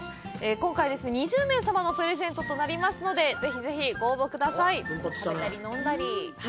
今回２０名様のプレゼントとなりますのでぜひぜひご応募ください。